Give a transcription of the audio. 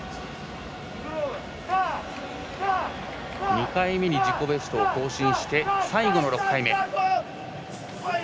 ２回目に自己ベストを更新して最後の６回目。